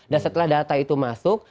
dan setelah data itu masuk